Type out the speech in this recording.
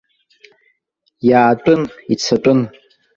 Иаатәын, ицатәын.